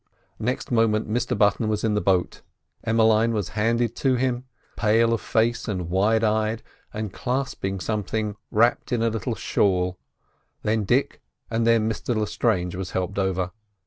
Next moment Mr Button was in the boat. Emmeline was handed to him, pale of face and wide eyed, and clasping something wrapped in a little shawl; then Dick, and then Mr Lestrange was helped over.